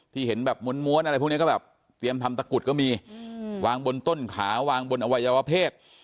เห็นแบบม้วนอะไรพวกนี้ก็แบบเตรียมทำตะกุดก็มีวางบนต้นขาวางบนอวัยวเพศ